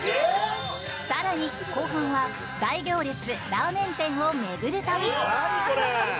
更に、後半は大行列ラーメン店を巡る旅。